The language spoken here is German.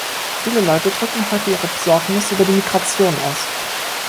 Viele Leute drücken heute ihre Besorgnis über die Migration aus.